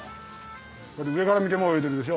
上から見ても泳いでるでしょ。